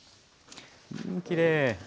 きれい！